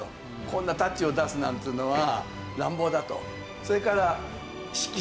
こんなタッチを出すなんつうのは乱暴だと。